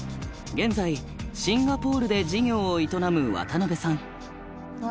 現在シンガポールで事業を営む渡辺さん。